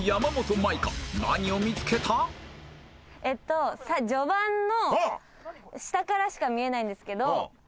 えっと序盤の下からしか見えないんですけど